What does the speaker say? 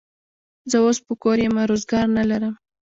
زه اوس په کور یمه، روزګار نه لرم.